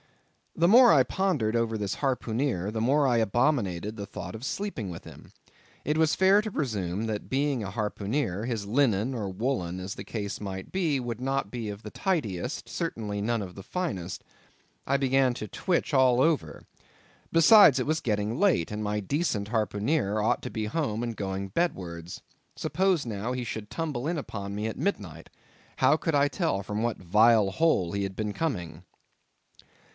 The more I pondered over this harpooneer, the more I abominated the thought of sleeping with him. It was fair to presume that being a harpooneer, his linen or woollen, as the case might be, would not be of the tidiest, certainly none of the finest. I began to twitch all over. Besides, it was getting late, and my decent harpooneer ought to be home and going bedwards. Suppose now, he should tumble in upon me at midnight—how could I tell from what vile hole he had been coming?